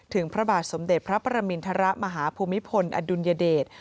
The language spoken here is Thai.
พระบาทสมเด็จพระประมินทรมาฮภูมิพลอดุลยเดช